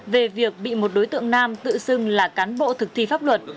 về việc bị một đối tượng nam tự xưng là cán bộ thực thi pháp luật